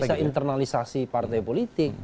bisa internalisasi partai politik